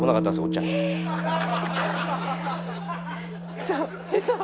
ウソウソ。